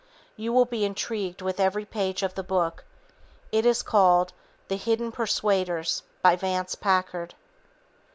You will be intrigued with every page of the book. It is called The Hidden Persuaders by Vance Packard.